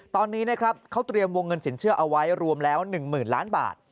ตอนนี้นะครับเขาเตรียมวงเงินสินเชื่อเอาไว้รวมแล้ว๑๐๐๐ล้านบาท